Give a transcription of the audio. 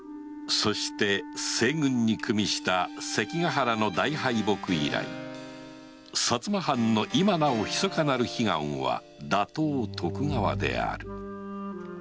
そして西軍に与した関ヶ原の大敗北以来薩摩藩の今なおひそかなる悲願は打倒徳川である